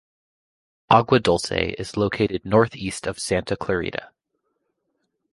Agua Dulce is located northeast of Santa Clarita.